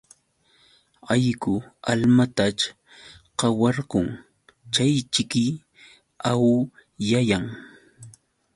Allqu almataćh qawarqun chayćhiki awllayan.